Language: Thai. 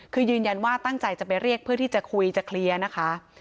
คือยืนยันว่าตั้งใจจะไปเรียกเพื่อที่จะคุยจะเคลียร์นะคะ